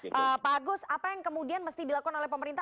pak agus apa yang kemudian mesti dilakukan oleh pemerintah